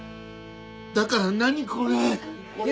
だから何これ⁉夢？